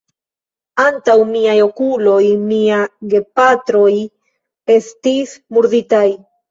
Antaŭ miaj okuloj miaj gepatroj estis murditaj.